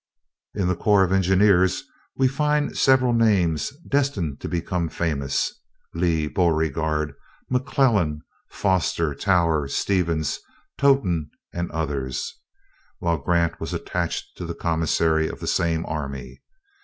In the corps of engineers we find several names destined to become famous Lee, Beauregard, McClellan, Foster, Tower, Stevens, Totten, and others; while Grant was attached to the commissary of the same army.